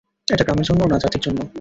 এটা গ্রামের জন্য, না জাতির জন্য।